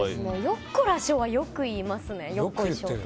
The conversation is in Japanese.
よっこらしょはよく言いますね。